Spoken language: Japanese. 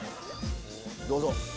どうぞ。